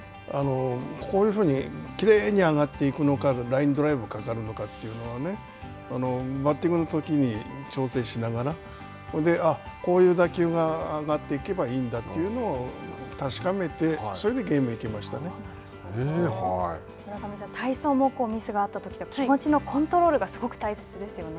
こういうふうにきれいに上がっていくのか、ラインドライブかかるのかというのはね、バッティングのときに調整しながら、それで、こういう打球が上がっていけばいいんだというのを確かめて、それ村上さん、体操もミスがあったとき、気持ちのコントロールがすごく大切ですよね。